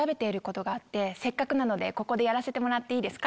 せっかくなのでここでやらせてもらっていいですか？